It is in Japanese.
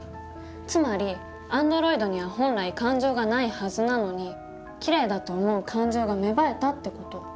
つまりアンドロイドには本来感情がないはずなのにキレイだと思う感情が芽生えたって事。